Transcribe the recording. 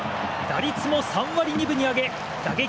打率も３割２分に上げ打撃